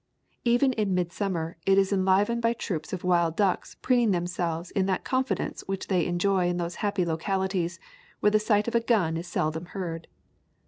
Even in mid summer it is enlivened by troops of wild ducks preening themselves in that confidence which they enjoy in those happy localities where the sound of a gun is seldom heard.